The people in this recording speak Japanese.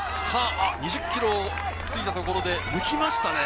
２０ｋｍを過ぎたところで抜きましたね。